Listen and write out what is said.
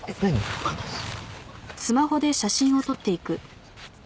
分かんないっす。